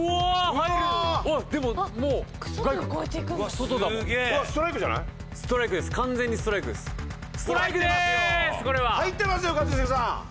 竹山：入ってますよ、一茂さん。